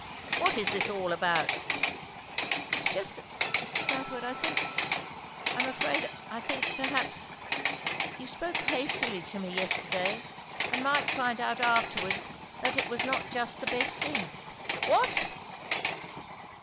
What is this all about?" "It is just that, Mr. Southwode. I think I am afraid I think, perhaps, you spoke hastily to me yesterday, and might find out afterwards that it was not just the best thing " "What?"